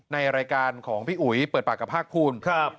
ในรายการของพี่อุ๋ยเปิดปากกับภาคภูมิ